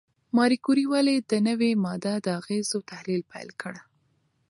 ماري کوري ولې د نوې ماده د اغېزو تحلیل پیل کړ؟